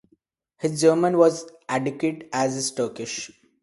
His German was as adequate as his Turkish.